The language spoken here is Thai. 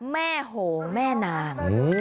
แม่โหงแม่นาง